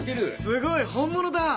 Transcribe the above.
すごい本物だ！